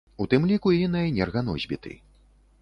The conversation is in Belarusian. У тым ліку і на энерганосьбіты.